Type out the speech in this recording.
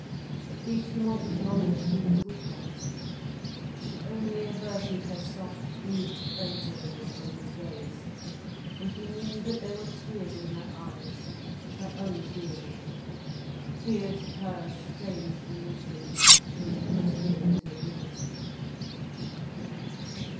At least she might acknowledge he was with her. But she only averted her soft, mute face a little from his gaze. And he knew that there were tears in her eyes, her own tears, tears of her strange religion, that put him to nought.